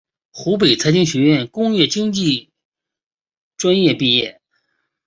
湖北财经学院工业经济专业毕业。